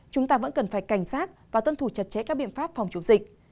chúng ta vẫn cần phải cảnh sát và tuân thủ chặt chẽ các biện pháp phòng chống dịch